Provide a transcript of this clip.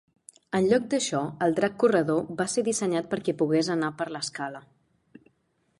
En lloc d'això, el drac corredor va ser dissenyat perquè pogués anar per l'escala.